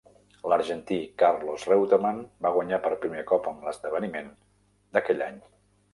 L'argentí Carlos Reutermann va guanyar per primer cop en l'esdeveniment d'aquell any.